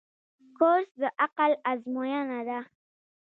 کورس د عقل آزموینه ده.